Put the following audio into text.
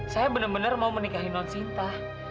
saya bener bener mau menikahi nonsinta